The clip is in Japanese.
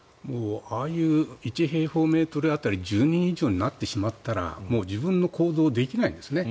ああいう１平方メートル当たり１０人以上になってしまったら自分の行動ができないですね。